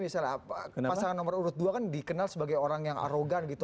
misalnya pasangan nomor urut dua kan dikenal sebagai orang yang arogan gitu